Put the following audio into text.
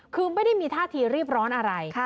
คือไม่ได้มีท่าทีรีบร้อนอะไร